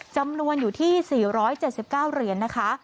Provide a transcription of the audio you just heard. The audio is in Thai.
จำนวนอยู่ที่๔๗๙เหรียญนะคะ